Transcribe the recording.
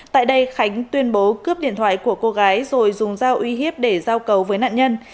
tại đây khánh tuyên bố cướp điện thoại của cô gái rồi dùng dao uy hiếp để giao cầu với nạn nhân